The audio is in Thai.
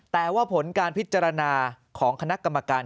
แต่ว่าผลการพิจารณาของคณะกรรมการ